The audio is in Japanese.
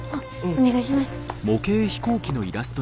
お願いします。